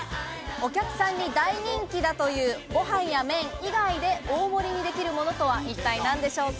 お客さんに大人気だという、ご飯や麺以外で大盛りにできるものとは一体何でしょうか？